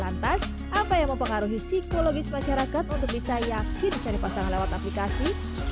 lantas apa yang mempengaruhi psikologis masyarakat untuk bisa yakin cari pasangan lewat aplikasi